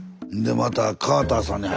またカーターさんにね。